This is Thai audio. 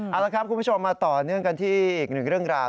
เอาละครับคุณผู้ชมมาต่อเนื่องกันที่อีกหนึ่งเรื่องราว